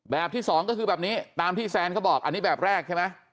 ที่สองก็คือแบบนี้ตามที่แซนเขาบอกอันนี้แบบแรกใช่ไหม